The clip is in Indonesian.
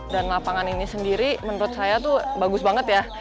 dan lapangan ini sendiri menurut saya bagus banget ya